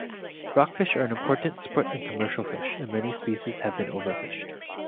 Rockfish are an important sport and commercial fish, and many species have been overfished.